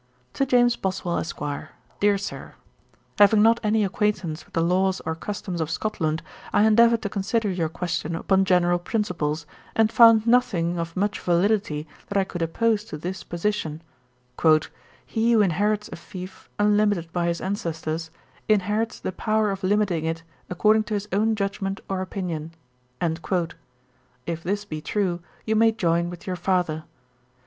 'To JAMES BOSWELL, ESQ. 'DEAR SIR, 'Having not any acquaintance with the laws or customs of Scotland, I endeavoured to consider your question upon general principles, and found nothing of much validity that I could oppose to this position: "He who inherits a fief unlimited by his ancestors, inherits the power of limiting it according to his own judgement or opinion." If this be true, you may join with your father.